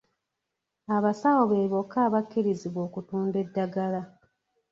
Abasawo be bokka abakkirizibwa okutunda eddagala.